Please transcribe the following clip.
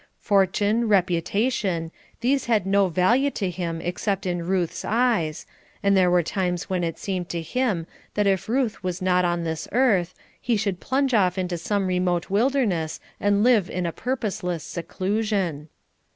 Fortune, reputation these had no value to him except in Ruth's eyes, and there were times when it seemed to him that if Ruth was not on this earth, he should plunge off into some remote wilderness and live in a purposeless seclusion.